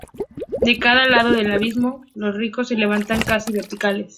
De cada lado del abismo, los riscos se levantan casi verticales.